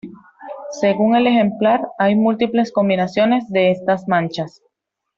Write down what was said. Según el ejemplar, hay múltiples combinaciones de estas manchas.